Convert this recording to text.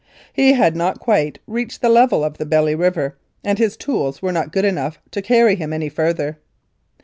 He had not quite reached the level of the Belly River, and his tools were not good enough to carry him any farther.